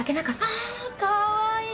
あかわい！